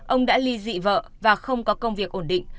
ông đã ly dị vợ và không có công việc ổn định